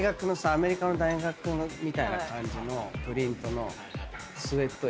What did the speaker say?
アメリカの大学みたいな感じのプリントのスウェット